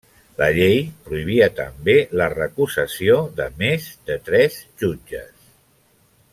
La llei prohibia també la recusació de més de tres jutges.